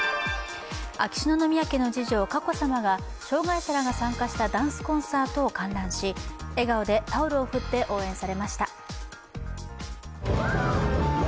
秋篠宮家の次女・佳子さまが障害者らが参加したダンスコンサートを観覧し、笑顔でタオルを振って応援されました。